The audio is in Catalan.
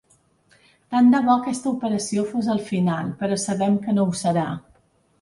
Tant de bo aquesta operació fos el final, però sabem que no ho serà.